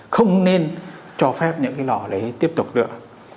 không nên cho phép những cái lò đấy tiếp tục được